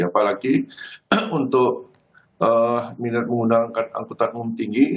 apalagi untuk minat menggunakan angkutan umum tinggi